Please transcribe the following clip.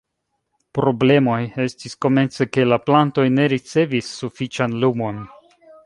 Problemoj estis komence, ke la plantoj ne ricevis sufiĉan lumon.